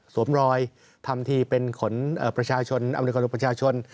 มรอยทำทีเป็นขนประชาชนอำนวยความประชาชน